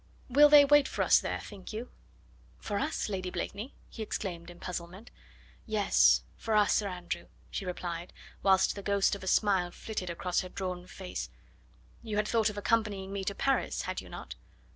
"Will they wait for us there, think you?" "For us, Lady Blakeney?" he exclaimed in puzzlement. "Yes, for us, Sir Andrew," she replied, whilst the ghost of a smile flitted across her drawn face; "you had thought of accompanying me to Paris, had you not?"